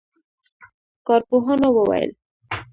کارپوهانو وویل